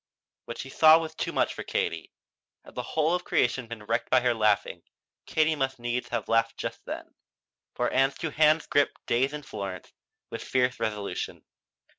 What she saw was too much for Katie. Had the whole of creation been wrecked by her laughing, Katie must needs have laughed just then. For Ann's two hands gripped "Days in Florence" with fierce resolution.